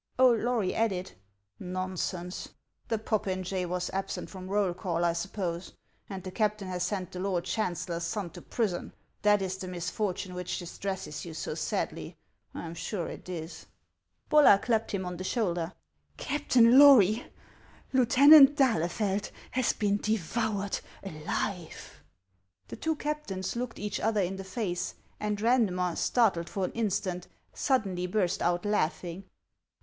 Old Lory added :" Xonsense ! The popinjay was ab sent from roll call, I snppose, and the captain has sent the lord chancellor's son to prison : that is the misfortune which distresses you so sadly ; I am sure it is." Bollar clapped him on the shoulder. " Captain Lory, Lieutenant d'Ahlefeld has been de voured alive." The two captains looked each other in the face ; and Randmer, startled for an instant, suddenly burst out laughing.